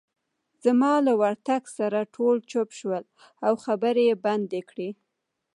زما له ورتګ سره ټول چوپ شول، او خبرې يې بندې کړې.